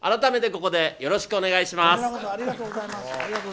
ここでよろしくお願いします。